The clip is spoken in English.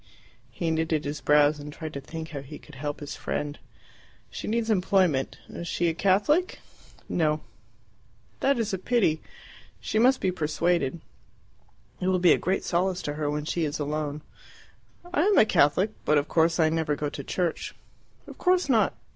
He knitted his brows and tried to think how he could help his friend. "She needs employment. Is she a Catholic?" "No." "That is a pity. She must be persuaded. It will be a great solace to her when she is alone." "I am a Catholic, but of course I never go to church." "Of course not.